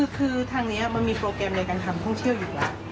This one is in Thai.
คือทางนี้มันมีโปรแกรมในการทำท่องเที่ยวอยู่แล้ว